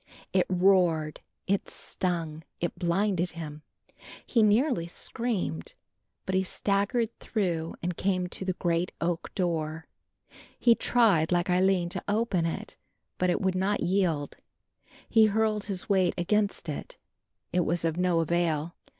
It roared, it stung, it blinded him, he nearly screamed, but he staggered through and came to the great oak door. He tried, like Aline, to open it, but it would not yield. He hurled his weight against it; it was of no avail.